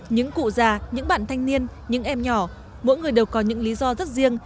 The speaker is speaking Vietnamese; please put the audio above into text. những cụ già những bạn thanh niên những em nhỏ mỗi người đều có những lý do rất riêng